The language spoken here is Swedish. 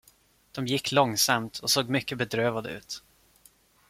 De gick långsamt och såg mycket bedrövade ut.